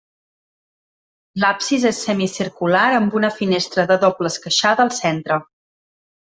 L'absis és semicircular amb una finestra de doble esqueixada al centre.